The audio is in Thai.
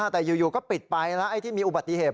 แต่อยู่ก็ปิดไปแล้วไอ้ที่มีอุบัติเหตุ